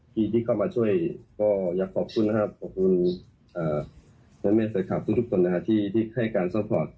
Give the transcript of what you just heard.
พี่ที่เข้ามาช่วยก็อยากขอบคุณนะครับขอบคุณแม่แฟคแม่ทุกคนที่ให้การซอฟพอร์ต